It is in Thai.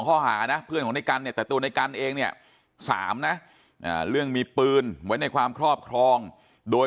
ข้อหานะเพื่อนของในกันเนี่ยแต่ตัวในกันเองเนี่ย๓นะเรื่องมีปืนไว้ในความครอบครองโดย